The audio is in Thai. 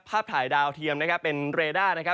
ภาพถ่ายดาวเทียมเป็นเรด้า